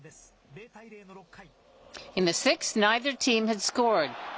０対０の６回。